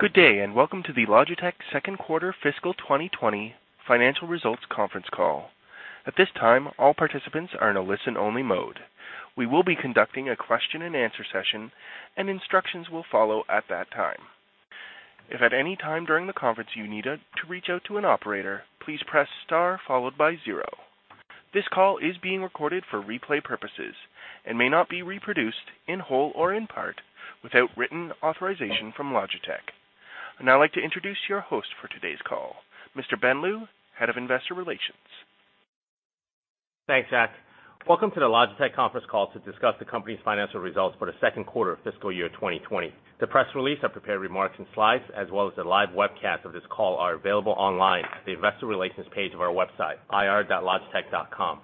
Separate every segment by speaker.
Speaker 1: Good day. Welcome to the Logitech second quarter fiscal 2020 financial results conference call. At this time, all participants are in a listen-only mode. We will be conducting a question and answer session, and instructions will follow at that time. If at any time during the conference you need to reach out to an operator, please press star followed by zero. This call is being recorded for replay purposes and may not be reproduced in whole or in part without written authorization from Logitech. I'd now like to introduce your host for today's call, Mr. Ben Lu, Head of Investor Relations.
Speaker 2: Thanks, Zack. Welcome to the Logitech conference call to discuss the company's financial results for the second quarter of fiscal year 2020. The press release, our prepared remarks, and slides, as well as the live webcast of this call, are available online at the investor relations page of our website, ir.logitech.com.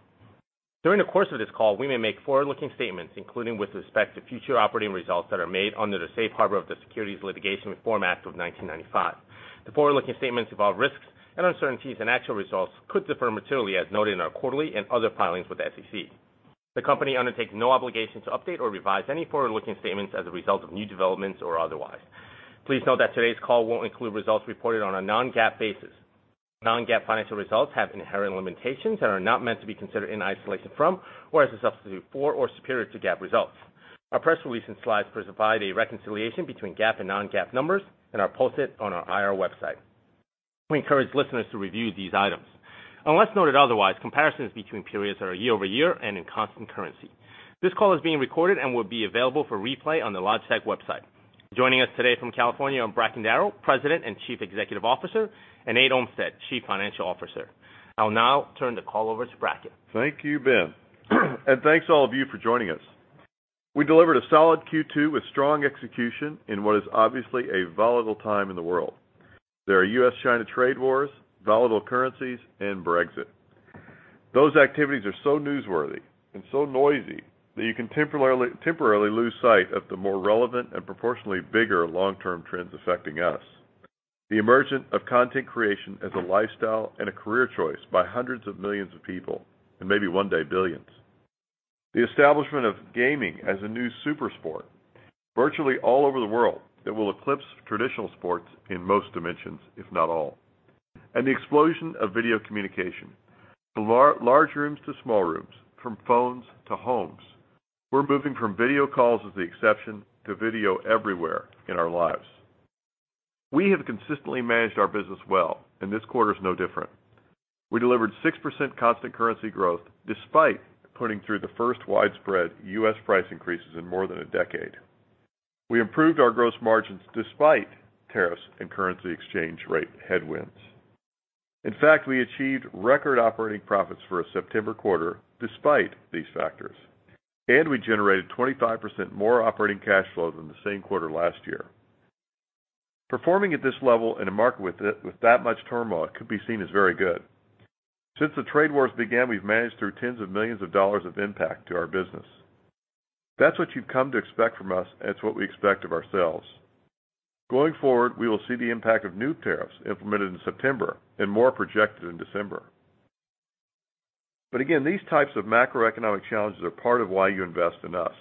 Speaker 2: During the course of this call, we may make forward-looking statements, including with respect to future operating results that are made under the safe harbor of the Securities Litigation Reform Act of 1995. The forward-looking statements involve risks and uncertainties, actual results could differ materially as noted in our quarterly and other filings with the SEC. The company undertakes no obligation to update or revise any forward-looking statements as a result of new developments or otherwise. Please note that today's call won't include results reported on a non-GAAP basis. Non-GAAP financial results have inherent limitations and are not meant to be considered in isolation from or as a substitute for or superior to GAAP results. Our press release and slides provide a reconciliation between GAAP and non-GAAP numbers and are posted on our IR website. We encourage listeners to review these items. Unless noted otherwise, comparisons between periods are year-over-year and in constant currency. This call is being recorded and will be available for replay on the Logitech website. Joining us today from California are Bracken Darrell, President and Chief Executive Officer, and Nate Olmstead, Chief Financial Officer. I'll now turn the call over to Bracken.
Speaker 3: Thank you, Ben. Thanks all of you for joining us. We delivered a solid Q2 with strong execution in what is obviously a volatile time in the world. There are U.S.-China trade wars, volatile currencies, and Brexit. Those activities are so newsworthy and so noisy that you can temporarily lose sight of the more relevant and proportionally bigger long-term trends affecting us. The emergence of content creation as a lifestyle and a career choice by hundreds of millions of people, and maybe one day, billions. The establishment of gaming as a new super sport virtually all over the world that will eclipse traditional sports in most dimensions, if not all. The explosion of video communication from large rooms to small rooms, from phones to homes. We're moving from video calls as the exception to video everywhere in our lives. We have consistently managed our business well. This quarter is no different. We delivered 6% constant currency growth despite putting through the first widespread U.S. price increases in more than a decade. We improved our gross margins despite tariffs and currency exchange rate headwinds. In fact, we achieved record operating profits for a September quarter despite these factors. We generated 25% more operating cash flow than the same quarter last year. Performing at this level in a market with that much turmoil could be seen as very good. Since the trade wars began, we've managed through tens of millions of CHF of impact to our business. That's what you've come to expect from us, and it's what we expect of ourselves. Going forward, we will see the impact of new tariffs implemented in September and more projected in December. Again, these types of macroeconomic challenges are part of why you invest in us.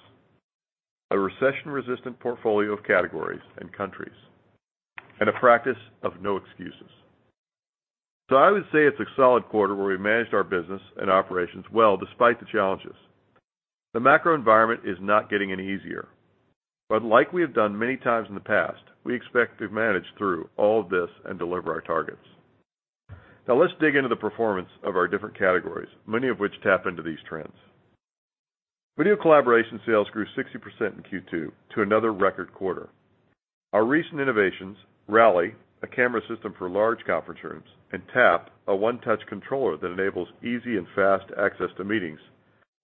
Speaker 3: A recession-resistant portfolio of categories and countries and a practice of no excuses. I would say it's a solid quarter where we managed our business and operations well despite the challenges. The macro environment is not getting any easier. Like we have done many times in the past, we expect to manage through all of this and deliver our targets. Let's dig into the performance of our different categories, many of which tap into these trends. Video collaboration sales grew 60% in Q2 to another record quarter. Our recent innovations, Rally, a camera system for large conference rooms, and Tap, a one-touch controller that enables easy and fast access to meetings,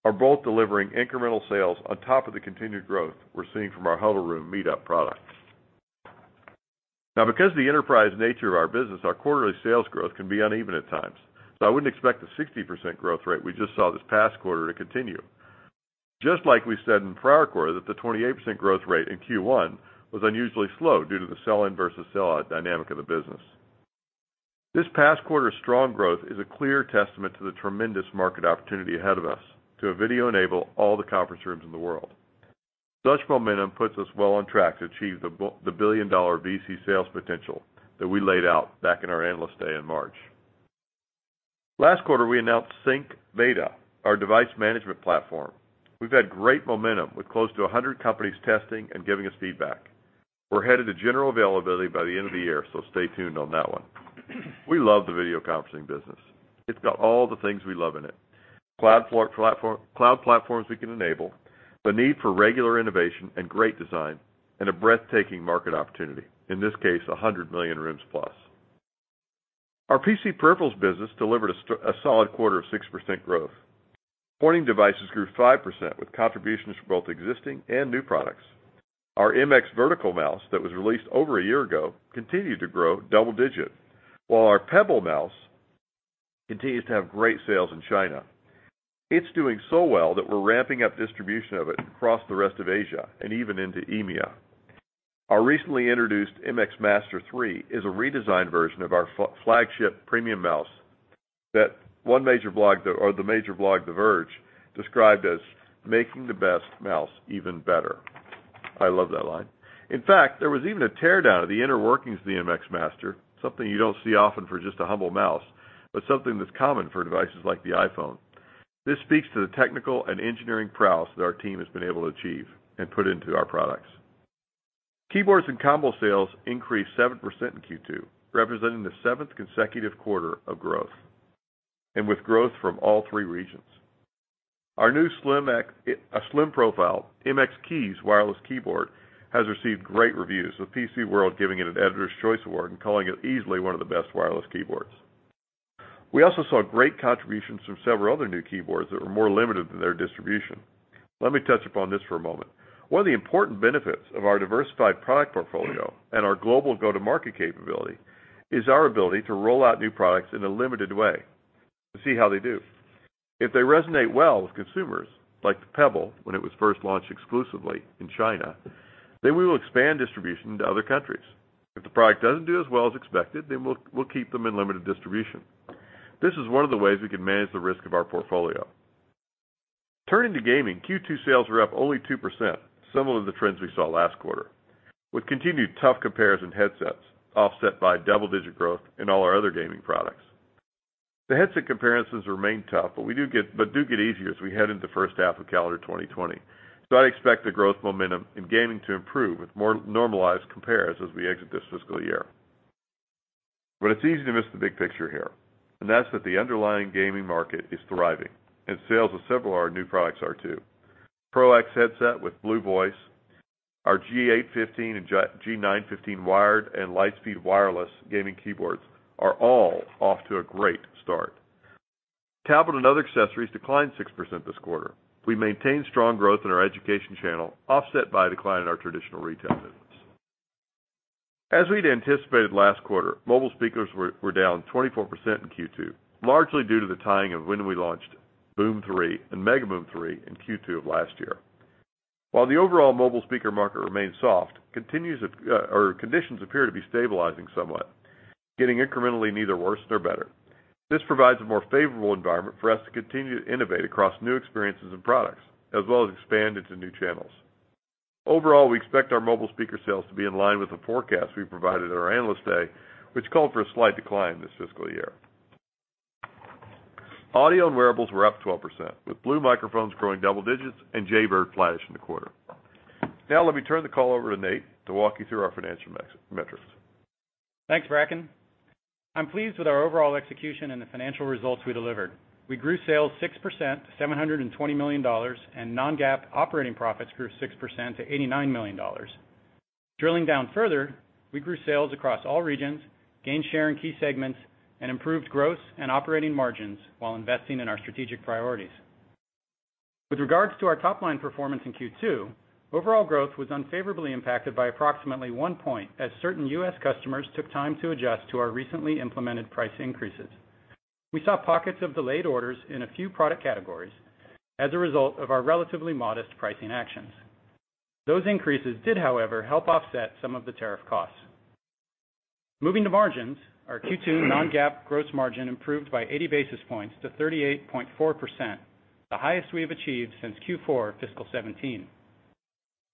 Speaker 3: are both delivering incremental sales on top of the continued growth we're seeing from our Huddle Room MeetUp product. Because of the enterprise nature of our business, our quarterly sales growth can be uneven at times. I wouldn't expect the 60% growth rate we just saw this past quarter to continue. Just like we said in the prior quarter, that the 28% growth rate in Q1 was unusually slow due to the sell-in versus sell-out dynamic of the business. This past quarter's strong growth is a clear testament to the tremendous market opportunity ahead of us to video-enable all the conference rooms in the world. Such momentum puts us well on track to achieve the billion-dollar VC sales potential that we laid out back in our Analyst Day in March. Last quarter, we announced Sync Beta, our device management platform. We've had great momentum with close to 100 companies testing and giving us feedback. We're headed to general availability by the end of the year, so stay tuned on that one. We love the video conferencing business. It's got all the things we love in it, cloud platforms we can enable, the need for regular innovation and great design, and a breathtaking market opportunity, in this case, 100 million rooms plus. Our PC peripherals business delivered a solid quarter of 6% growth. Pointing devices grew 5% with contributions from both existing and new products. Our MX Vertical Mouse that was released over a year ago continued to grow double-digit, while our Pebble Mouse continues to have great sales in China. It's doing so well that we're ramping up distribution of it across the rest of Asia and even into EMEA. Our recently introduced MX Master 3 is a redesigned version of our flagship premium mouse, that the major blog, The Verge, described as making the best mouse even better. I love that line. In fact, there was even a teardown of the inner workings of the MX Master, something you don't see often for just a humble mouse, but something that's common for devices like the iPhone. This speaks to the technical and engineering prowess that our team has been able to achieve and put into our products. Keyboards and combo sales increased 7% in Q2, representing the seventh consecutive quarter of growth, and with growth from all three regions. Our new slim profile, MX Keys wireless keyboard, has received great reviews, with PCWorld giving it an Editor's Choice Award and calling it easily one of the best wireless keyboards. We also saw great contributions from several other new keyboards that were more limited to their distribution. Let me touch upon this for a moment. One of the important benefits of our diversified product portfolio and our global go-to-market capability is our ability to roll out new products in a limited way to see how they do. If they resonate well with consumers, like the Pebble when it was first launched exclusively in China, then we will expand distribution to other countries. If the product doesn't do as well as expected, then we'll keep them in limited distribution. This is one of the ways we can manage the risk of our portfolio. Turning to gaming, Q2 sales were up only 2%, similar to the trends we saw last quarter, with continued tough compares in headsets, offset by double-digit growth in all our other gaming products. Do get easier as we head into the first half of calendar 2020, I'd expect the growth momentum in gaming to improve with more normalized compares as we exit this fiscal year. It's easy to miss the big picture here, and that's that the underlying gaming market is thriving, and sales of several of our new products are too. PRO X headset with Blue VO! CE, our G815 and G915 wired and LIGHTSPEED wireless gaming keyboards are all off to a great start. Tablet and other accessories declined 6% this quarter. We maintained strong growth in our education channel, offset by a decline in our traditional retail business. As we'd anticipated last quarter, mobile speakers were down 24% in Q2, largely due to the timing of when we launched BOOM 3 and MEGABOOM 3 in Q2 of last year. While the overall mobile speaker market remains soft, conditions appear to be stabilizing somewhat, getting incrementally neither worse nor better. This provides a more favorable environment for us to continue to innovate across new experiences and products, as well as expand into new channels. Overall, we expect our mobile speaker sales to be in line with the forecast we provided at our Analyst Day, which called for a slight decline this fiscal year. Audio and wearables were up 12%, with Blue Microphones growing double digits and Jaybird flat-ish in the quarter. Let me turn the call over to Nate to walk you through our financial metrics.
Speaker 4: Thanks, Bracken. I'm pleased with our overall execution and the financial results we delivered. We grew sales 6% to $720 million, and non-GAAP operating profits grew 6% to $89 million. Drilling down further, we grew sales across all regions, gained share in key segments, and improved gross and operating margins while investing in our strategic priorities. With regards to our top-line performance in Q2, overall growth was unfavorably impacted by approximately 1 point, as certain U.S. customers took time to adjust to our recently implemented price increases. We saw pockets of delayed orders in a few product categories as a result of our relatively modest pricing actions. Those increases did, however, help offset some of the tariff costs. Moving to margins, our Q2 non-GAAP gross margin improved by 80 basis points to 38.4%, the highest we have achieved since Q4 fiscal 2017.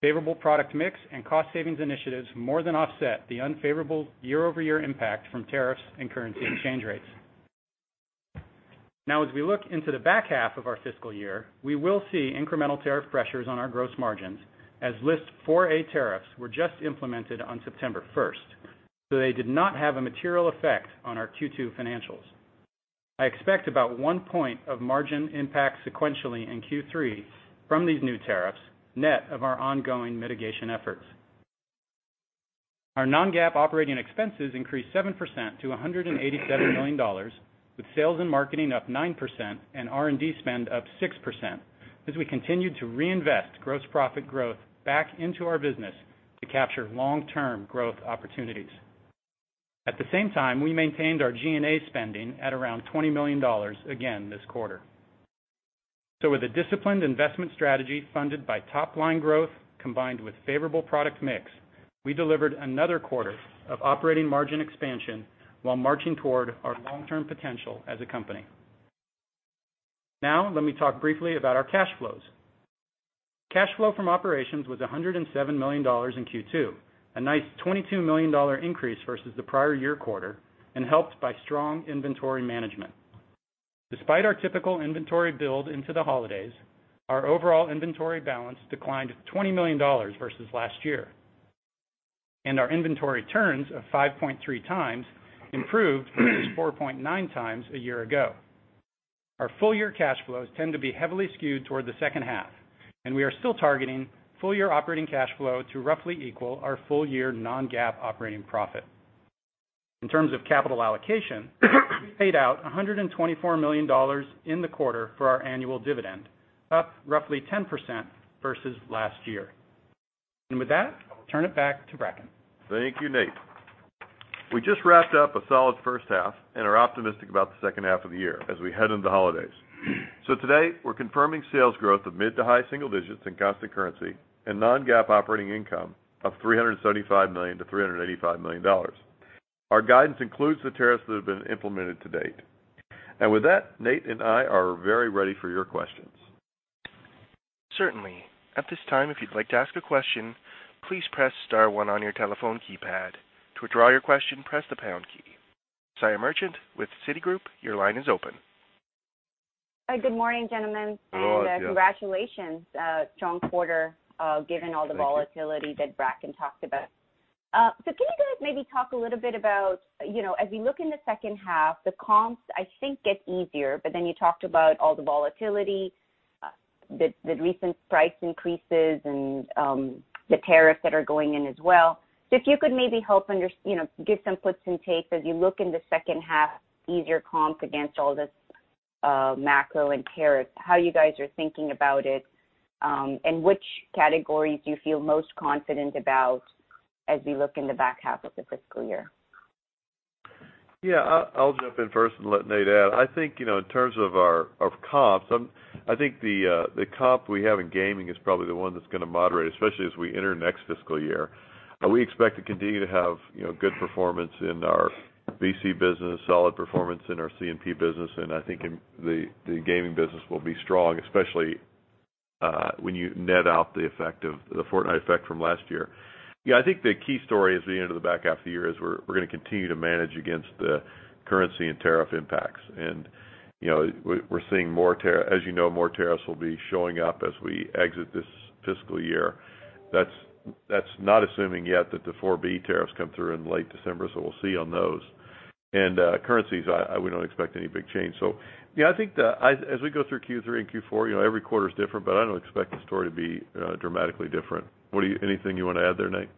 Speaker 4: Favorable product mix and cost savings initiatives more than offset the unfavorable year-over-year impact from tariffs and currency exchange rates. As we look into the back half of our fiscal year, we will see incremental tariff pressures on our gross margins, as List 4A tariffs were just implemented on September 1st, so they did not have a material effect on our Q2 financials. I expect about one point of margin impact sequentially in Q3 from these new tariffs, net of our ongoing mitigation efforts. Our non-GAAP operating expenses increased 7% to $187 million, with sales and marketing up 9% and R&D spend up 6%, as we continued to reinvest gross profit growth back into our business to capture long-term growth opportunities. At the same time, we maintained our G&A spending at around $20 million again this quarter. With a disciplined investment strategy funded by top-line growth combined with favorable product mix, we delivered another quarter of operating margin expansion while marching toward our long-term potential as a company. Let me talk briefly about our cash flows. Cash flow from operations was CHF 107 million in Q2, a nice CHF 22 million increase versus the prior year quarter, and helped by strong inventory management. Despite our typical inventory build into the holidays, our overall inventory balance declined CHF 20 million versus last year, and our inventory turns of 5.3 times improved from just 4.9 times a year ago. Our full-year cash flows tend to be heavily skewed toward the second half, and we are still targeting full-year operating cash flow to roughly equal our full-year non-GAAP operating profit. In terms of capital allocation, we paid out CHF 124 million in the quarter for our annual dividend, up roughly 10% versus last year. With that, I'll turn it back to Bracken.
Speaker 3: Thank you, Nate. We just wrapped up a solid first half and are optimistic about the second half of the year as we head into holidays. Today, we're confirming sales growth of mid to high single digits in constant currency and non-GAAP operating income of $375 million to $385 million. Our guidance includes the tariffs that have been implemented to date. With that, Nate and I are very ready for your questions.
Speaker 1: Certainly. At this time, if you'd like to ask a question, please press star one on your telephone keypad. To withdraw your question, press the pound key. Asiya Merchant with Citigroup, your line is open.
Speaker 5: Hi. Good morning, gentlemen.
Speaker 3: Hello, Asiya.
Speaker 5: Congratulations.
Speaker 3: Thank you.
Speaker 5: given all the volatility that Bracken talked about. Can you guys maybe talk a little bit about, as we look in the second half, the comps, I think, get easier, but then you talked about all the volatility, the recent price increases and the tariffs that are going in as well. If you could maybe help give some puts and takes as you look in the second half, easier comps against all this macro and tariffs, how you guys are thinking about it, and which categories you feel most confident about as we look in the back half of the fiscal year.
Speaker 3: I'll jump in first and let Nate add. I think, in terms of comps, I think the comp we have in gaming is probably the one that's going to moderate, especially as we enter next fiscal year. We expect to continue to have good performance in our VC business, solid performance in our C&P business, and I think the gaming business will be strong, especially when you net out the Fortnite effect from last year. I think the key story at the end of the back half of the year is we're going to continue to manage against the currency and tariff impacts. As you know, more tariffs will be showing up as we exit this fiscal year. That's not assuming yet that the 4B tariffs come through in late December, so we'll see on those. Currencies, we don't expect any big change. Yeah, I think as we go through Q3 and Q4, every quarter is different, but I don't expect the story to be dramatically different. Anything you want to add there, Nate?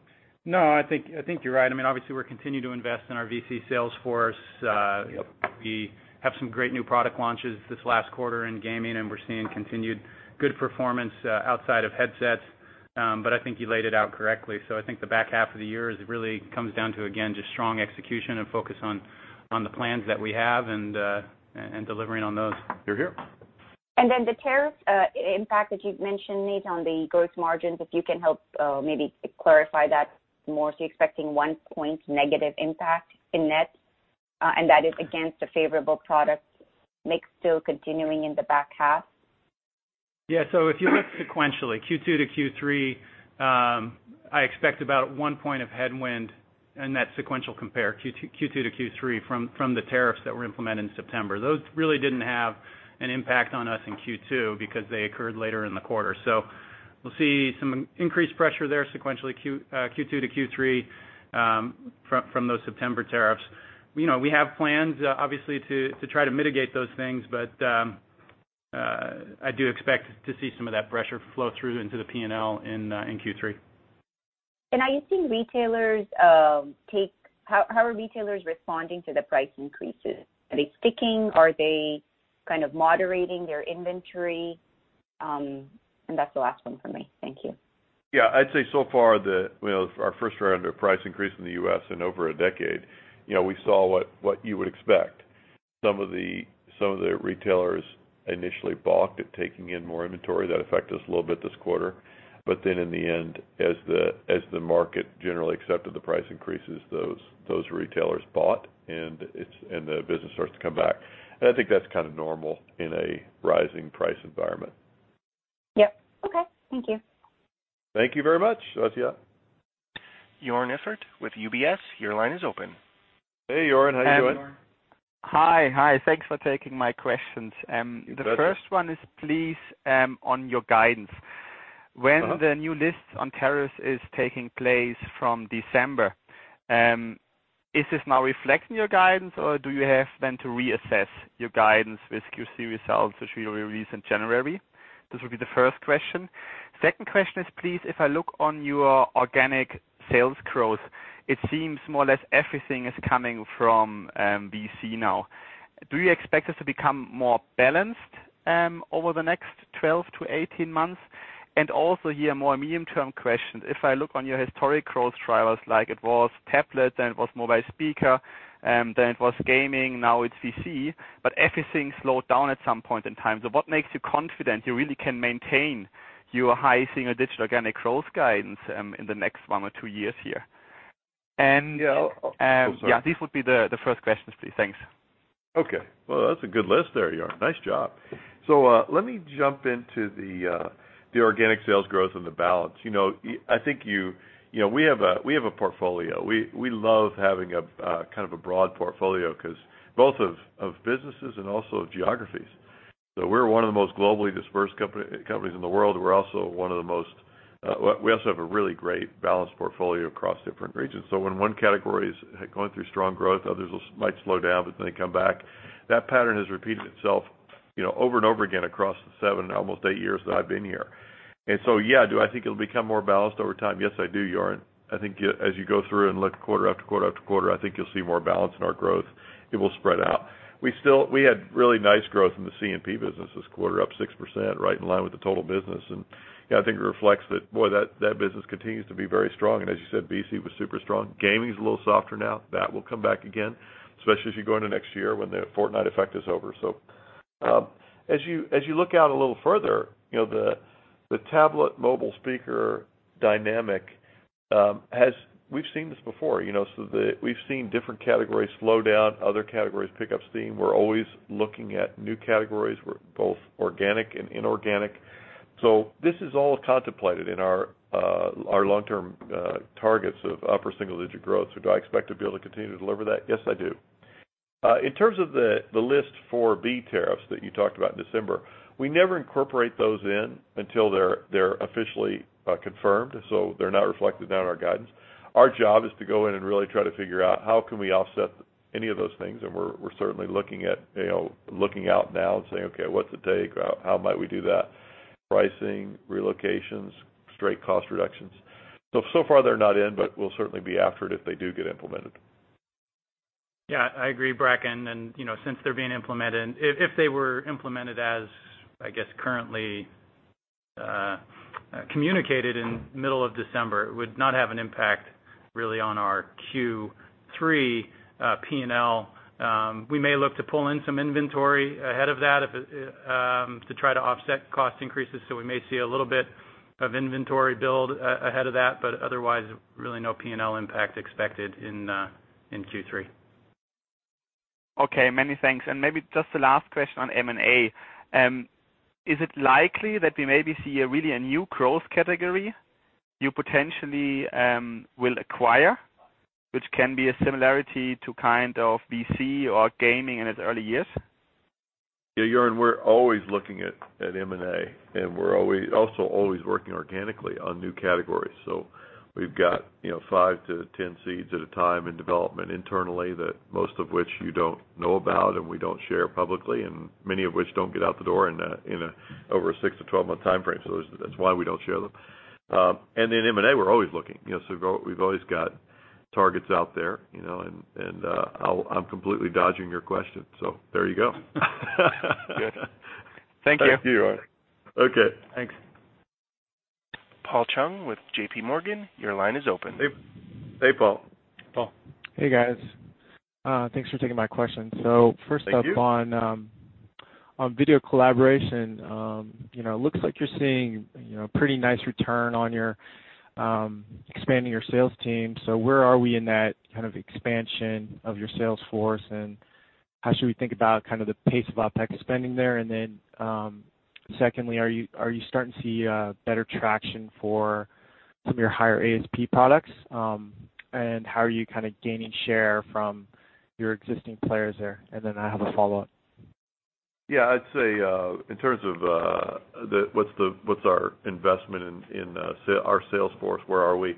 Speaker 4: No, I think you're right. Obviously, we're continuing to invest in our VC sales force.
Speaker 3: Yep.
Speaker 4: We have some great new product launches this last quarter in gaming, and we're seeing continued good performance outside of headsets. I think you laid it out correctly. I think the back half of the year, it really comes down to, again, just strong execution and focus on the plans that we have and delivering on those.
Speaker 3: Hear, hear.
Speaker 5: The tariff impact that you've mentioned, Nate, on the gross margins, if you can help maybe clarify that more. You're expecting one point negative impact in net, that is against a favorable product mix still continuing in the back half?
Speaker 4: If you look sequentially, Q2 to Q3, I expect about one point of headwind in that sequential compare, Q2 to Q3 from the tariffs that were implemented in September. Those really didn't have an impact on us in Q2 because they occurred later in the quarter. We'll see some increased pressure there sequentially, Q2 to Q3, from those September tariffs. We have plans, obviously, to try to mitigate those things, I do expect to see some of that pressure flow through into the P&L in Q3.
Speaker 5: How are retailers responding to the price increases? Are they sticking? Are they kind of moderating their inventory? That's the last one from me. Thank you.
Speaker 3: Yeah. I'd say so far, our first round of price increase in the U.S. in over a decade, we saw what you would expect. Some of the retailers initially balked at taking in more inventory. That affected us a little bit this quarter. In the end, as the market generally accepted the price increases, those retailers bought, and the business starts to come back. I think that's kind of normal in a rising price environment.
Speaker 5: Yep. Okay. Thank you.
Speaker 3: Thank you very much, Saya.
Speaker 1: Joern Iffert with UBS, your line is open.
Speaker 3: Hey, Joern. How you doing?
Speaker 4: Hey, Joern.
Speaker 6: Hi. Thanks for taking my questions.
Speaker 3: You betcha.
Speaker 6: The first one is please, on your guidance. When the new list on tariffs is taking place from December, is this now reflected in your guidance, or do you have then to reassess your guidance with Q3 results, which we will release in January? This would be the first question. Second question is please, if I look on your organic sales growth, it seems more or less everything is coming from VC now. Do you expect this to become more balanced over the next 12 to 18 months? Also here, more medium-term question. If I look on your historic growth drivers, like it was tablet, then it was mobile speaker, then it was gaming, now it's VC, but everything slowed down at some point in time. What makes you confident you really can maintain your high single-digit organic growth guidance in the next one or two years here?
Speaker 3: Yeah. Oh, I'm sorry.
Speaker 6: Yeah, these would be the first questions, please. Thanks.
Speaker 3: Okay. Well, that's a good list there, Joern. Nice job. Let me jump into the organic sales growth and the balance. We have a portfolio. We love having a broad portfolio because both of businesses and also of geographies. We're one of the most globally dispersed companies in the world. We also have a really great balanced portfolio across different regions. When one category is going through strong growth, others might slow down, but then they come back. That pattern has repeated itself over and over again across the seven, almost eight years that I've been here. Yeah, do I think it'll become more balanced over time? Yes, I do, Joern. I think as you go through and look quarter after quarter after quarter, I think you'll see more balance in our growth. It will spread out. We had really nice growth in the C&P business this quarter, up 6%, right in line with the total business. Yeah, I think it reflects that, boy, that business continues to be very strong. As you said, VC was super strong. Gaming's a little softer now. That will come back again, especially as you go into next year when the Fortnite effect is over. As you look out a little further, the tablet mobile speaker dynamic, we've seen this before. We've seen different categories slow down, other categories pick up steam. We're always looking at new categories, both organic and inorganic. This is all contemplated in our long-term targets of upper single-digit growth. Do I expect to be able to continue to deliver that? Yes, I do. In terms of the List 4B tariffs that you talked about in December, we never incorporate those in until they're officially confirmed, so they're not reflected in our guidance. Our job is to go in and really try to figure out how can we offset any of those things, and we're certainly looking out now and saying, "Okay, what's it take? How might we do that?" Pricing, relocations, straight cost reductions. So far they're not in, but we'll certainly be after it if they do get implemented.
Speaker 4: Yeah, I agree, Bracken. Since they're being implemented, if they were implemented as, I guess currently communicated in middle of December, it would not have an impact really on our Q3 PNL. We may look to pull in some inventory ahead of that to try to offset cost increases, so we may see a little bit of inventory build ahead of that, but otherwise, really no PNL impact expected in Q3.
Speaker 6: Okay, many thanks. Maybe just the last question on M&A. Is it likely that we maybe see really a new growth category you potentially will acquire, which can be a similarity to kind of VC or gaming in its early years?
Speaker 3: Yeah, Joern, we're always looking at M&A, and we're also always working organically on new categories. We've got five to 10 seeds at a time in development internally, that most of which you don't know about and we don't share publicly, and many of which don't get out the door in over a six to 12-month timeframe. That's why we don't share them. In M&A, we're always looking. We've always got targets out there, and I'm completely dodging your question. There you go.
Speaker 6: Good. Thank you.
Speaker 4: Thank you, Joern.
Speaker 3: Okay.
Speaker 6: Thanks.
Speaker 1: Paul Chung with JPMorgan, your line is open.
Speaker 3: Hey, Paul.
Speaker 4: Paul.
Speaker 7: Hey, guys. Thanks for taking my question.
Speaker 3: Thank you.
Speaker 7: First up on video collaboration, looks like you're seeing pretty nice return on expanding your sales team. Where are we in that kind of expansion of your sales force, and how should we think about the pace of OpEx spending there? Secondly, are you starting to see better traction for some of your higher ASP products? How are you kinda gaining share from your existing players there? I have a follow-up.
Speaker 3: Yeah, I'd say, in terms of what's our investment in our sales force, where are we?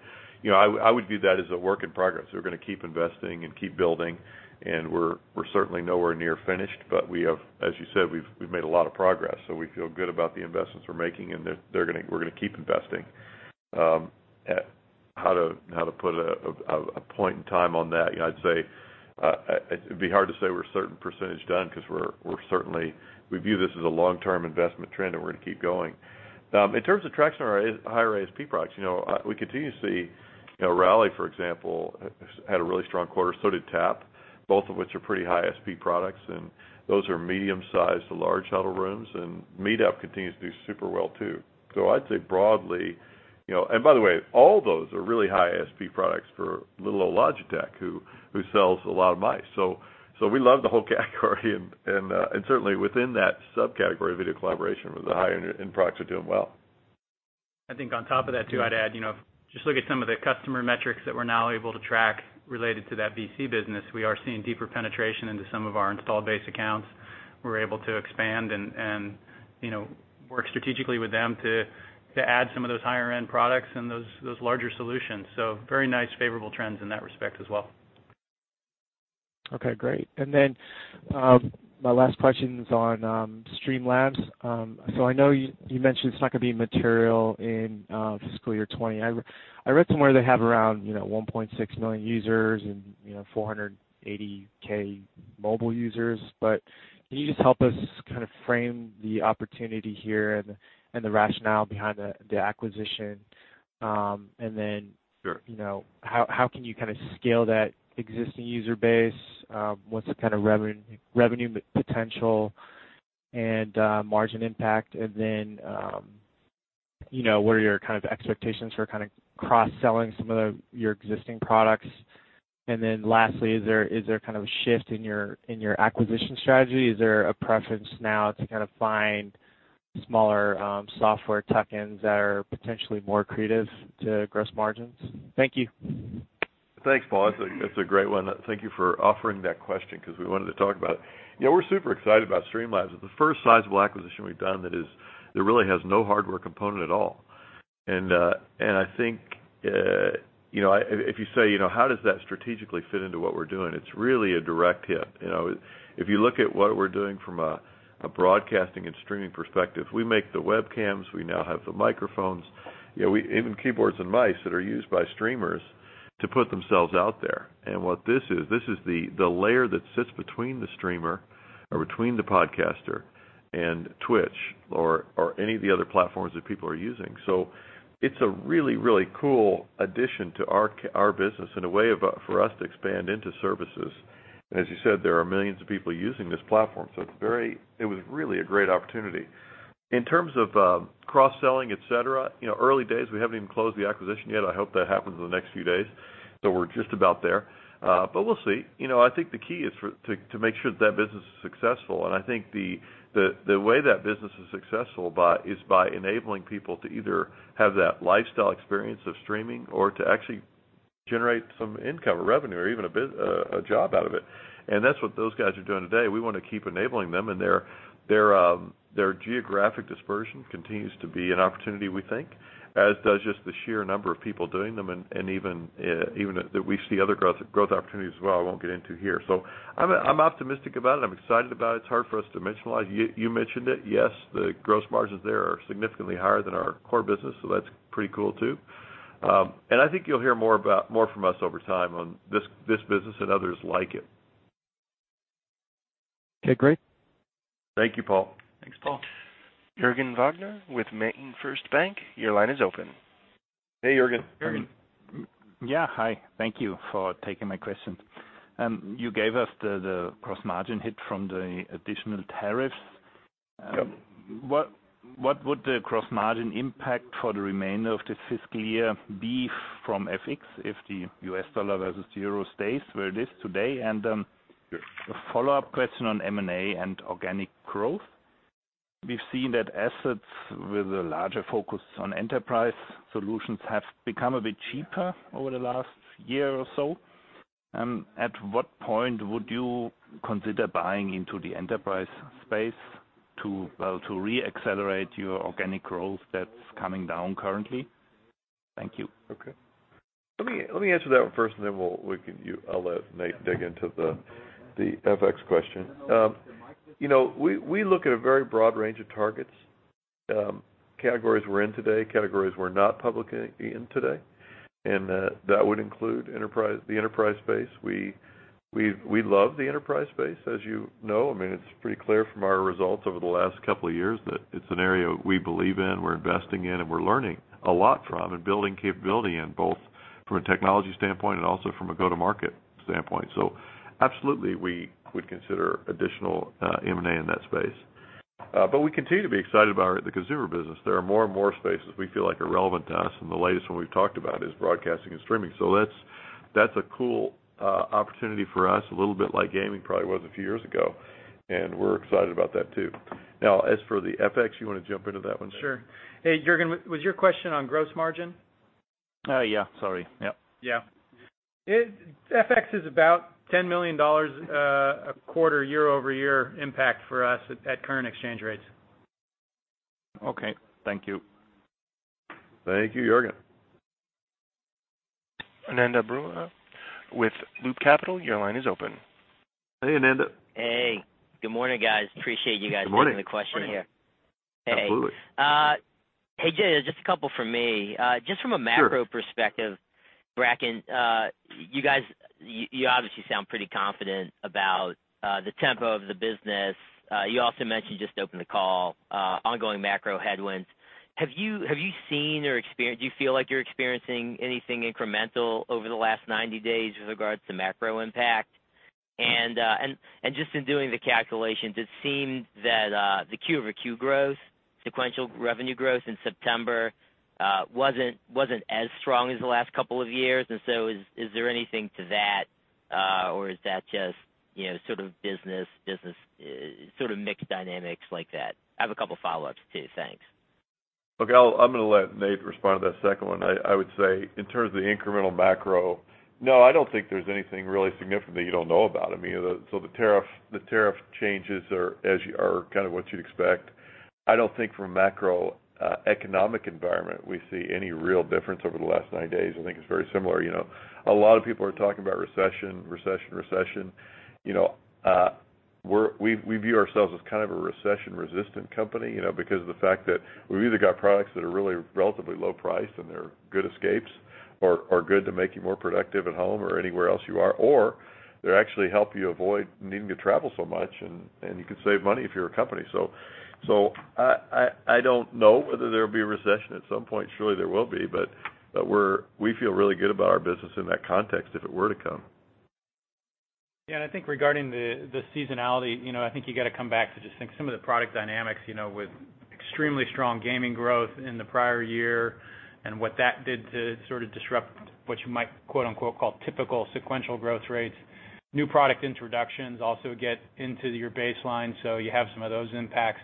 Speaker 3: I would view that as a work in progress. We're going to keep investing and keep building, and we're certainly nowhere near finished. As you said, we've made a lot of progress, so we feel good about the investments we're making, and we're going to keep investing. How to put a point in time on that? It'd be hard to say we're a certain percentage done because we view this as a long-term investment trend and we're going to keep going. In terms of traction on our higher ASP products, we continue to see Rally, for example, had a really strong quarter. So did Tap, both of which are pretty high ASP products, and those are medium-sized to large huddle rooms. MeetUp continues to do super well, too. By the way, all those are really high ASP products for little old Logitech, who sells a lot of mice. We love the whole category, and certainly within that subcategory of video collaboration, the higher-end products are doing well.
Speaker 4: I think on top of that, too, I'd add, just look at some of the customer metrics that we're now able to track related to that VC business. We are seeing deeper penetration into some of our installed base accounts. We're able to expand and work strategically with them to add some of those higher-end products and those larger solutions. Very nice favorable trends in that respect as well.
Speaker 7: Okay, great. My last question is on Streamlabs. I know you mentioned it's not going to be material in FY 2020. I read somewhere they have around 1.6 million users and 480K mobile users. Can you just help us kind of frame the opportunity here and the rationale behind the acquisition?
Speaker 3: Sure.
Speaker 7: How can you kinda scale that existing user base? What's the kind of revenue potential and margin impact? What are your expectations for kind of cross-selling some of your existing products? Lastly, is there a kind of shift in your acquisition strategy? Is there a preference now to kind of find smaller software tuck-ins that are potentially more accretive to gross margins? Thank you.
Speaker 3: Thanks, Paul. That's a great one. Thank you for offering that question because we wanted to talk about it. We're super excited about Streamlabs. It's the first sizable acquisition we've done that really has no hardware component at all. I think, if you say, how does that strategically fit into what we're doing? It's really a direct hit. If you look at what we're doing from a broadcasting and streaming perspective, we make the webcams, we now have the microphones, even keyboards and mice that are used by streamers to put themselves out there. What this is, this is the layer that sits between the streamer or between the podcaster and Twitch or any of the other platforms that people are using. It's a really, really cool addition to our business and a way for us to expand into services. As you said, there are millions of people using this platform, so it was really a great opportunity. In terms of cross-selling, et cetera, early days, we haven't even closed the acquisition yet. I hope that happens in the next few days. We're just about there. We'll see. I think the key is to make sure that business is successful, and I think the way that business is successful is by enabling people to either have that lifestyle experience of streaming or to actually generate some income or revenue or even a job out of it. That's what those guys are doing today. We want to keep enabling them, and their geographic dispersion continues to be an opportunity, we think, as does just the sheer number of people doing them and even that we see other growth opportunities as well I won't get into here. I'm optimistic about it. I'm excited about it. It's hard for us to marginalize. You mentioned it, yes, the gross margins there are significantly higher than our core business, so that's pretty cool too. I think you'll hear more from us over time on this business and others like it.
Speaker 4: Okay, great.
Speaker 3: Thank you, Paul.
Speaker 4: Thanks, Paul.
Speaker 1: Jürgen Wagner with MainFirst Bank, your line is open.
Speaker 3: Hey, Jürgen.
Speaker 4: Jürgen.
Speaker 8: Yeah, hi. Thank you for taking my question. You gave us the gross margin hit from the additional tariffs.
Speaker 3: Yep.
Speaker 8: What would the gross margin impact for the remainder of the fiscal year be from FX if the U.S. dollar versus euro stays where it is today?
Speaker 3: Sure
Speaker 8: A follow-up question on M&A and organic growth. We've seen that assets with a larger focus on enterprise solutions have become a bit cheaper over the last year or so. At what point would you consider buying into the enterprise space to re-accelerate your organic growth that's coming down currently? Thank you.
Speaker 3: Okay. Let me answer that one first, and then I'll let Nate dig into the FX question. We look at a very broad range of targets, categories we're in today, categories we're not publicly in today, and that would include the enterprise space. We love the enterprise space, as you know. It's pretty clear from our results over the last couple of years that it's an area we believe in, we're investing in, and we're learning a lot from and building capability in both from a technology standpoint and also from a go-to-market standpoint. Absolutely, we would consider additional M&A in that space. We continue to be excited about the consumer business. There are more and more spaces we feel like are relevant to us, and the latest one we've talked about is broadcasting and streaming. That's a cool opportunity for us, a little bit like gaming probably was a few years ago, and we're excited about that too. As for the FX, you want to jump into that one?
Speaker 4: Sure. Hey, Jürgen, was your question on gross margin?
Speaker 8: Yeah. Sorry. Yep.
Speaker 4: Yeah. FX is about CHF 10 million a quarter, year-over-year impact for us at current exchange rates.
Speaker 8: Okay. Thank you.
Speaker 3: Thank you, Jürgen.
Speaker 1: Ananda Baruah with Loup Ventures, your line is open.
Speaker 3: Hey, Ananda.
Speaker 9: Hey, good morning, guys.
Speaker 3: Good morning.
Speaker 9: Taking the question here.
Speaker 3: Absolutely.
Speaker 9: Hey, just a couple from me. Just from a macro-
Speaker 3: Sure
Speaker 9: perspective, Bracken, you obviously sound pretty confident about the tempo of the business. You also mentioned just opening the call, ongoing macro headwinds. Have you seen or do you feel like you're experiencing anything incremental over the last 90 days with regards to macro impact? Just in doing the calculations, it seemed that the Q over Q growth, sequential revenue growth in September, wasn't as strong as the last couple of years. Is there anything to that, or is that just business sort of mixed dynamics like that? I have a couple of follow-ups too. Thanks.
Speaker 3: Okay. I'm going to let Nate respond to that second one. I would say, in terms of the incremental macro, no, I don't think there's anything really significant that you don't know about. The tariff changes are kind of what you'd expect. I don't think from a macroeconomic environment, we see any real difference over the last 90 days. I think it's very similar. A lot of people are talking about recession. We view ourselves as kind of a recession-resistant company, because of the fact that we've either got products that are really relatively low priced and they're good escapes or good to make you more productive at home or anywhere else you are, or they actually help you avoid needing to travel so much, and you could save money if you're a company. I don't know whether there'll be a recession. At some point, surely there will be, but we feel really good about our business in that context if it were to come.
Speaker 4: Yeah, I think regarding the seasonality, I think you got to come back to just think some of the product dynamics, with extremely strong gaming growth in the prior year and what that did to sort of disrupt what you might typical sequential growth rates. New product introductions also get into your baseline, you have some of those impacts.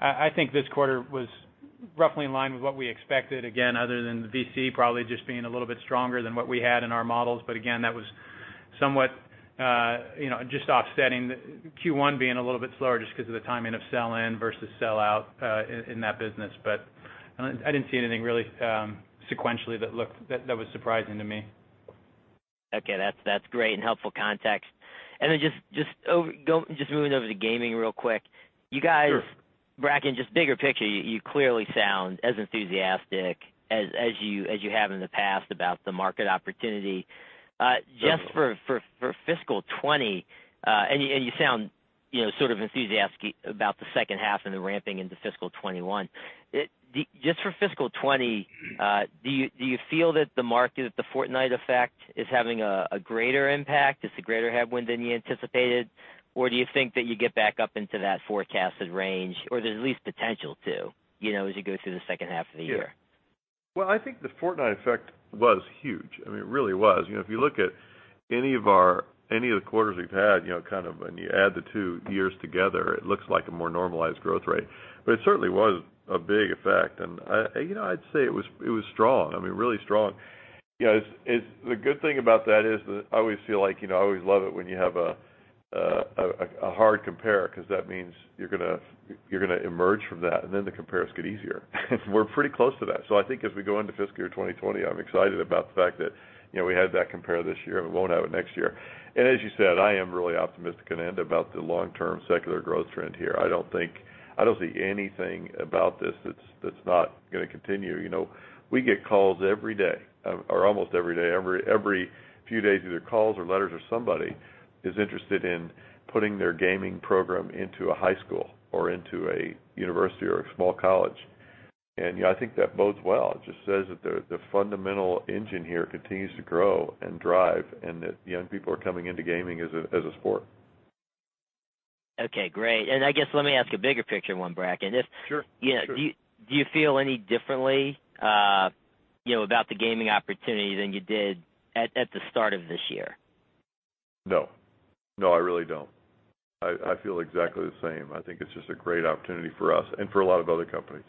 Speaker 4: I think this quarter was roughly in line with what we expected, again, other than the VC probably just being a little bit stronger than what we had in our models. Again, that was somewhat just offsetting Q1 being a little bit slower just because of the timing of sell-in versus sell-out in that business. I didn't see anything really sequentially that was surprising to me.
Speaker 9: Okay, that's great and helpful context. Just moving over to gaming real quick.
Speaker 3: Sure.
Speaker 9: You guys, Bracken, just bigger picture, you clearly sound as enthusiastic as you have in the past about the market opportunity.
Speaker 3: Good.
Speaker 9: Just for fiscal 2020, you sound sort of enthusiastic about the second half and the ramping into fiscal 2021. Just for fiscal 2020, do you feel that the Fortnite effect is having a greater impact? It's a greater headwind than you anticipated, or do you think that you get back up into that forecasted range, or there's at least potential to as you go through the second half of the year?
Speaker 3: Well, I think the Fortnite effect was huge. It really was. If you look at any of the quarters we've had, kind of, and you add the two years together, it looks like a more normalized growth rate. It certainly was a big effect, and I'd say it was strong. Really strong. The good thing about that is that I always feel like I always love it when you have a hard compare, because that means you're going to emerge from that, and then the compares get easier. We're pretty close to that. I think as we go into fiscal year 2020, I'm excited about the fact that we had that compare this year and we won't have it next year. As you said, I am really optimistic, Ananda, about the long-term secular growth trend here. I don't see anything about this that's not going to continue. We get calls every day, or almost every day. Every few days, either calls or letters or somebody is interested in putting their gaming program into a high school or into a university or a small college. I think that bodes well. It just says that the fundamental engine here continues to grow and drive, and that young people are coming into gaming as a sport.
Speaker 9: Okay, great. I guess, let me ask a bigger picture one, Bracken.
Speaker 3: Sure
Speaker 9: Do you feel any differently about the gaming opportunity than you did at the start of this year?
Speaker 3: No. No, I really don't. I feel exactly the same. I think it's just a great opportunity for us and for a lot of other companies.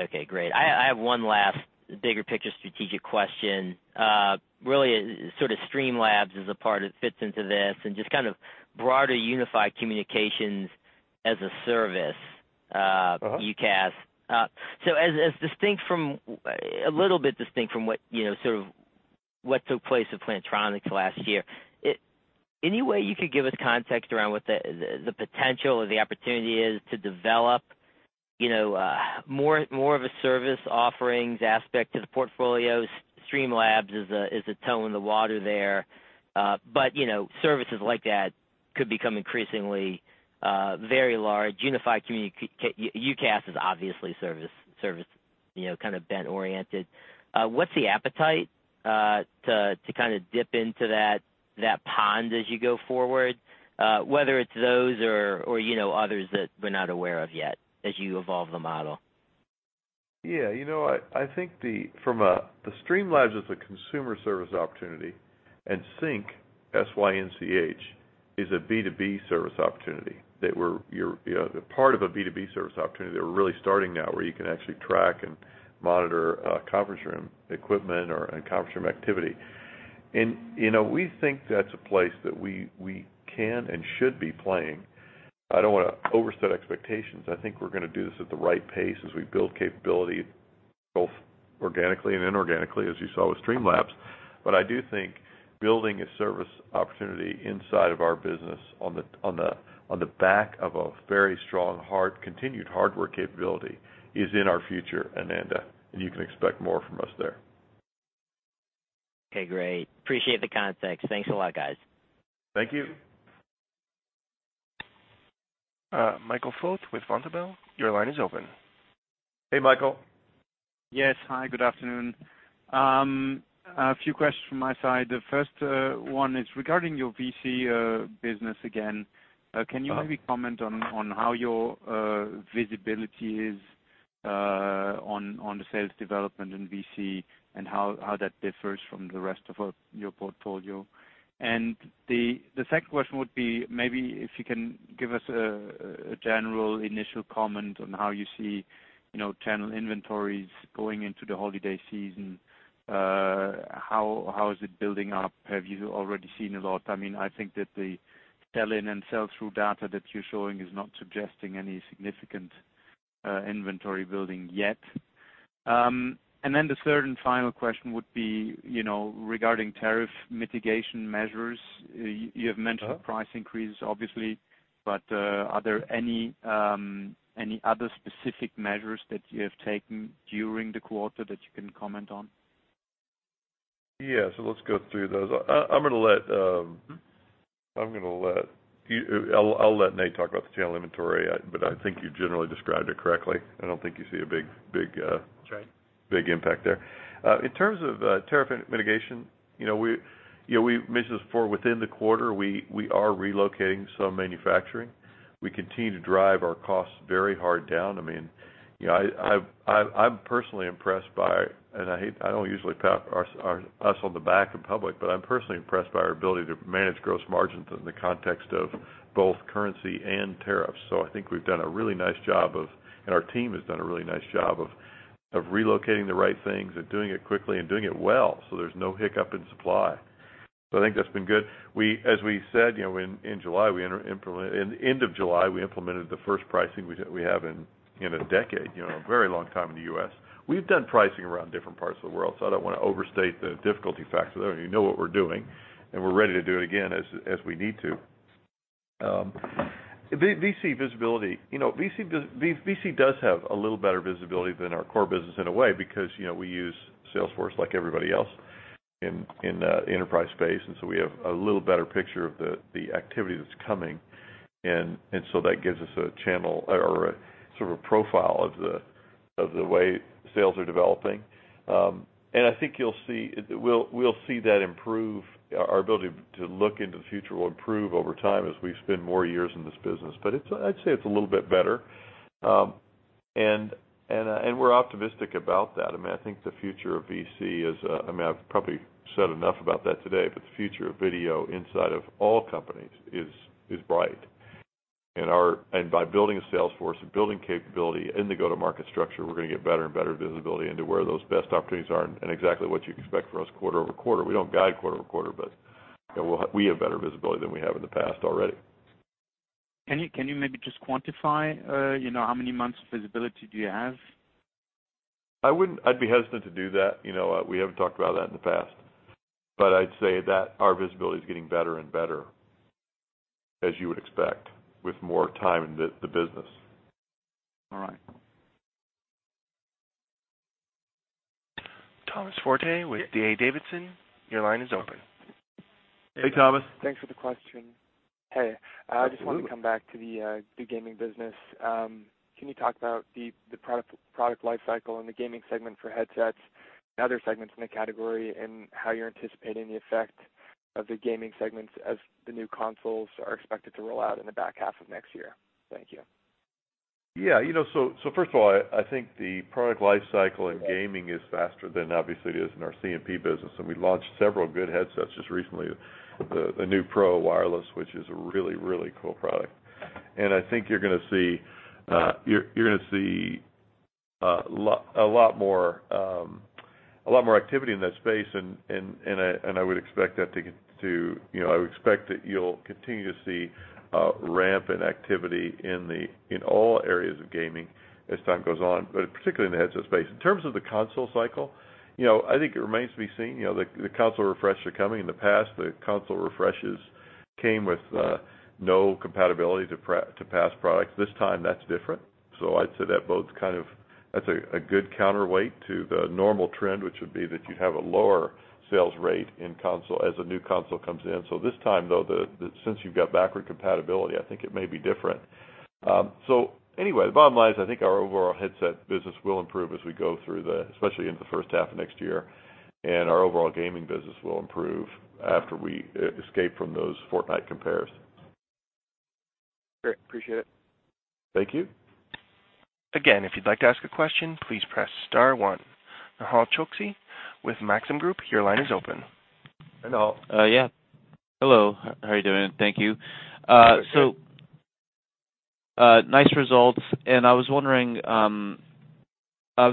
Speaker 9: Okay, great. I have one last bigger picture strategic question. Sort of Streamlabs is a part that fits into this and just kind of broader Unified Communications as a Service. UCaaS. A little bit distinct from what took place at Plantronics last year. Any way you could give us context around what the potential or the opportunity is to develop more of a service offerings aspect to the portfolio? Streamlabs is a toe in the water there. Services like that could become increasingly very large. UCaaS is obviously service kind of bent oriented. What's the appetite to kind of dip into that pond as you go forward? Whether it's those or others that we're not aware of yet as you evolve the model.
Speaker 3: Yeah. The Streamlabs is a consumer service opportunity, and Sync, S-Y-N-C, is a B2B service opportunity that we're really starting now, where you can actually track and monitor conference room equipment or conference room activity. We think that's a place that we can and should be playing. I don't want to overset expectations. I think we're going to do this at the right pace as we build capability both organically and inorganically, as you saw with Streamlabs. I do think building a service opportunity inside of our business on the back of a very strong, continued hardware capability is in our future, Ananda, and you can expect more from us there.
Speaker 9: Okay, great. Appreciate the context. Thanks a lot, guys.
Speaker 3: Thank you.
Speaker 1: Michael Foeth with Vontobel, your line is open.
Speaker 3: Hey, Michael.
Speaker 10: Yes. Hi, good afternoon. A few questions from my side. The first one is regarding your VC business again. Can you maybe comment on how your visibility is on the sales development in VC, and how that differs from the rest of your portfolio? The second question would be maybe if you can give us a general initial comment on how you see channel inventories going into the holiday season. How is it building up? Have you already seen a lot? I think that the sell-in and sell-through data that you're showing is not suggesting any significant inventory building yet. The third and final question would be regarding tariff mitigation measures. You have mentioned. price increases, obviously, are there any other specific measures that you have taken during the quarter that you can comment on?
Speaker 3: Yeah. Let's go through those. I'll let Nate talk about the channel inventory, but I think you generally described it correctly.
Speaker 4: That's right.
Speaker 3: big impact there. In terms of tariff mitigation, we mentioned this before, within the quarter, we are relocating some manufacturing. We continue to drive our costs very hard down. I'm personally impressed by, and I don't usually pat us on the back in public, but I'm personally impressed by our ability to manage gross margins in the context of both currency and tariffs. I think we've done a really nice job of, and our team has done a really nice job of relocating the right things and doing it quickly and doing it well, so there's no hiccup in supply. I think that's been good. As we said, in end of July, we implemented the first pricing we have in a decade. A very long time in the U.S. We've done pricing around different parts of the world, so I don't want to overstate the difficulty factor there, and you know what we're doing, and we're ready to do it again as we need to. VC visibility. VC does have a little better visibility than our core business in a way, because we use Salesforce like everybody else in the enterprise space. We have a little better picture of the activity that's coming, and so that gives us a sort of profile of the way sales are developing. I think we'll see that improve, our ability to look into the future will improve over time as we spend more years in this business. I'd say it's a little bit better. We're optimistic about that. I think the future of VC is, I've probably said enough about that today, but the future of video inside of all companies is bright. By building a sales force and building capability in the go-to-market structure, we're going to get better and better visibility into where those best opportunities are and exactly what you can expect from us quarter-over-quarter. We don't guide quarter-over-quarter, but we have better visibility than we have in the past already.
Speaker 10: Can you maybe just quantify how many months of visibility do you have?
Speaker 3: I'd be hesitant to do that. We haven't talked about that in the past. I'd say that our visibility is getting better and better, as you would expect, with more time in the business.
Speaker 10: All right.
Speaker 1: Tom Forte with D.A. Davidson, your line is open.
Speaker 3: Hey, Thomas.
Speaker 11: Thanks for the question. Hey.
Speaker 3: Absolutely.
Speaker 11: I just want to come back to the gaming business. Can you talk about the product life cycle in the gaming segment for headsets and other segments in the category, and how you're anticipating the effect of the gaming segments as the new consoles are expected to roll out in the back half of next year? Thank you.
Speaker 3: Yeah. First of all, I think the product life cycle in gaming is faster than obviously it is in our C&P business, we launched several good headsets just recently. The new PRO Wireless, which is a really, really cool product. I think you're going to see a lot more activity in that space, I would expect that you'll continue to see a ramp in activity in all areas of gaming as time goes on, particularly in the headset space. In terms of the console cycle, I think it remains to be seen. The console refreshes are coming. In the past, the console refreshes came with no compatibility to past products. This time, that's different. I'd say that's a good counterweight to the normal trend, which would be that you'd have a lower sales rate in console as a new console comes in. This time, though, since you've got backward compatibility, I think it may be different. Anyway, the bottom line is, I think our overall headset business will improve as we go through, especially into the first half of next year, and our overall gaming business will improve after we escape from those Fortnite compares.
Speaker 11: Great. Appreciate it.
Speaker 3: Thank you.
Speaker 1: Again, if you'd like to ask a question, please press *1. Nehal Chokshi with Maxim Group, your line is open.
Speaker 3: Nehal.
Speaker 12: Yeah. Hello, how are you doing? Thank you.
Speaker 3: Good, thanks.
Speaker 12: Nice results. I was wondering, of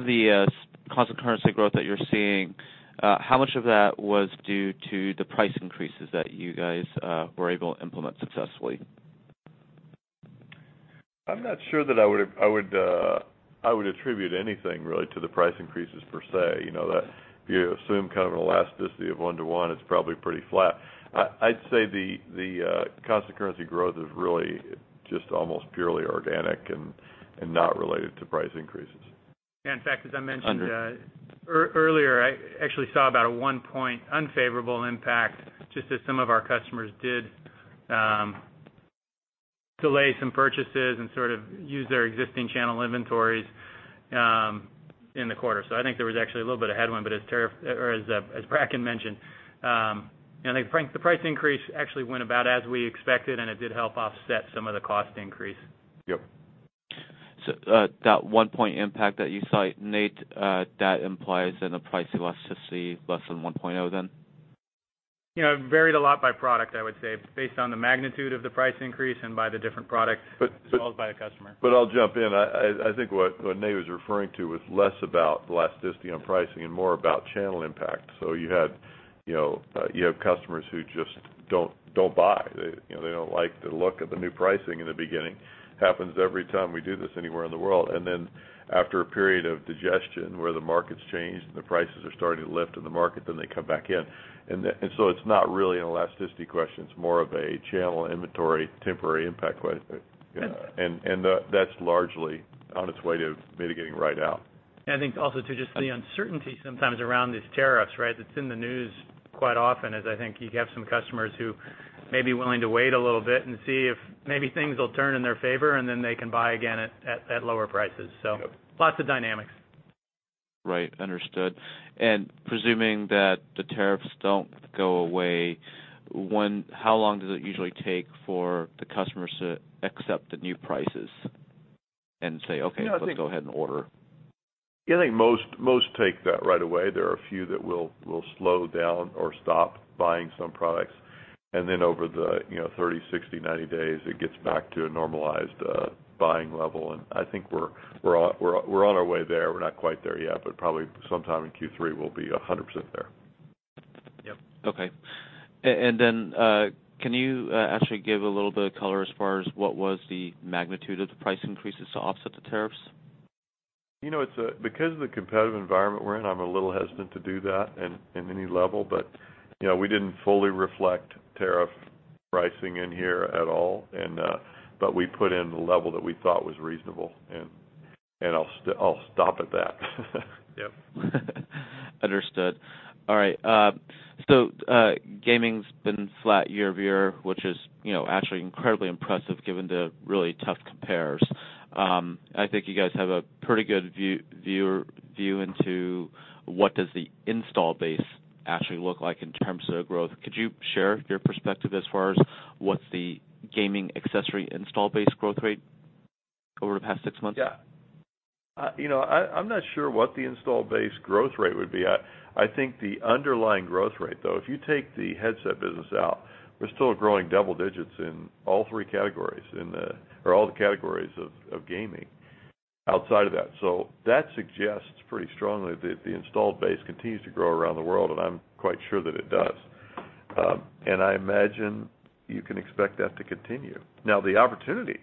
Speaker 12: the constant currency growth that you're seeing, how much of that was due to the price increases that you guys were able to implement successfully?
Speaker 3: I'm not sure that I would attribute anything really to the price increases per se. If you assume kind of an elasticity of one to one, it's probably pretty flat. I'd say the constant currency growth is really just almost purely organic and not related to price increases.
Speaker 4: In fact, as I mentioned earlier, I actually saw about a one-point unfavorable impact, just as some of our customers did delay some purchases and sort of use their existing channel inventories in the quarter. I think there was actually a little bit of headwind, but as Bracken mentioned, the price increase actually went about as we expected, and it did help offset some of the cost increase.
Speaker 3: Yep.
Speaker 12: That one-point impact that you cite, Nate, that implies then a price elasticity of less than 1.0, then?
Speaker 4: It varied a lot by product, I would say. Based on the magnitude of the price increase and by the different products, as well as by the customer.
Speaker 3: I'll jump in. I think what Nate was referring to was less about the elasticity on pricing and more about channel impact. You have customers who just don't buy. They don't like the look of the new pricing in the beginning. Happens every time we do this anywhere in the world. After a period of digestion where the market's changed and the prices are starting to lift in the market, then they come back in. It's not really an elasticity question, it's more of a channel inventory temporary impact. That's largely on its way to mitigating right out.
Speaker 4: I think also too, just the uncertainty sometimes around these tariffs, right? It's in the news quite often. I think you have some customers who may be willing to wait a little bit and see if maybe things will turn in their favor, and then they can buy again at lower prices.
Speaker 3: Yep
Speaker 4: lots of dynamics.
Speaker 12: Right. Understood. Presuming that the tariffs don't go away, how long does it usually take for the customers to accept the new prices and say, "Okay, let's go ahead and order"?
Speaker 3: Yeah, I think most take that right away. There are a few that will slow down or stop buying some products. Then over the 30, 60, 90 days, it gets back to a normalized buying level. I think we're on our way there. We're not quite there yet, but probably sometime in Q3 we'll be 100% there.
Speaker 4: Yep.
Speaker 12: Okay. Can you actually give a little bit of color as far as what was the magnitude of the price increases to offset the tariffs?
Speaker 3: Because of the competitive environment we're in, I'm a little hesitant to do that in any level. We didn't fully reflect tariff pricing in here at all, but we put in the level that we thought was reasonable, and I'll stop at that.
Speaker 4: Yep.
Speaker 12: Understood. All right. Gaming's been flat year-over-year, which is actually incredibly impressive given the really tough compares. I think you guys have a pretty good view into what does the install base actually look like in terms of growth. Could you share your perspective as far as what's the gaming accessory install base growth rate over the past six months?
Speaker 3: I'm not sure what the install base growth rate would be. I think the underlying growth rate, though, if you take the headset business out, we're still growing double digits in all three categories, or all the categories of gaming outside of that. That suggests pretty strongly that the installed base continues to grow around the world, and I'm quite sure that it does. I imagine you can expect that to continue. Now, the opportunity,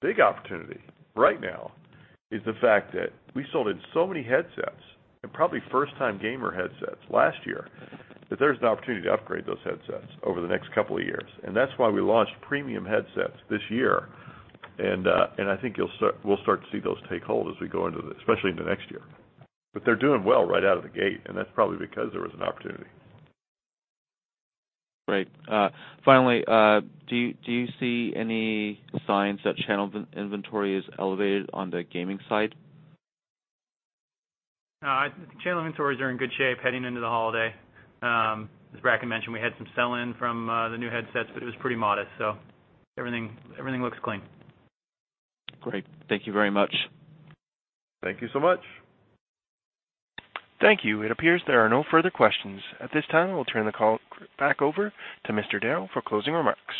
Speaker 3: big opportunity right now, is the fact that we sold in so many headsets, and probably first-time gamer headsets last year, that there's an opportunity to upgrade those headsets over the next couple of years. That's why we launched premium headsets this year, and I think we'll start to see those take hold as we go into, especially into next year. They're doing well right out of the gate, and that's probably because there was an opportunity.
Speaker 12: Great. Do you see any signs that channel inventory is elevated on the gaming side?
Speaker 4: No, I think channel inventories are in good shape heading into the holiday. As Bracken mentioned, we had some sell-in from the new headsets, but it was pretty modest. Everything looks clean.
Speaker 12: Great. Thank you very much.
Speaker 3: Thank you so much.
Speaker 1: Thank you. It appears there are no further questions. At this time, we'll turn the call back over to Mr. Darrell for closing remarks.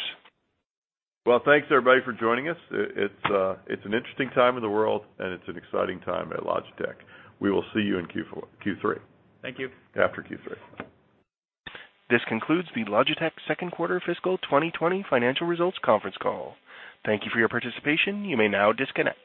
Speaker 3: Well, thanks everybody for joining us. It's an interesting time in the world, and it's an exciting time at Logitech. We will see you in Q3.
Speaker 4: Thank you.
Speaker 3: After Q3.
Speaker 1: This concludes the Logitech second quarter fiscal 2020 financial results conference call. Thank you for your participation. You may now disconnect.